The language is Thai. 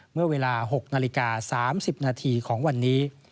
เมื่อเวลา๖นาฬิกาเธอบท็อตที่สำนาคติกอัน๓๑๕นาทีของวันนี้